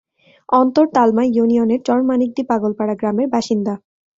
অন্তর তালমা ইউনিয়নের চর মানিকদী পাগলপাড়া গ্রামের বাসিন্দা।